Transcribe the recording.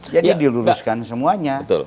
jadi diluluskan semuanya